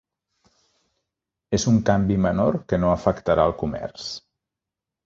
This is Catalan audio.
És un canvi menor que no afectarà el comerç.